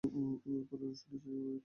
পুনরায় শোনা যায় উটের আওয়াজ।